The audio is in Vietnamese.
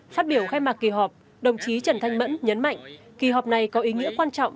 phát biểu khai mạc kỳ họp đồng chí trần thanh mẫn nhấn mạnh kỳ họp này có ý nghĩa quan trọng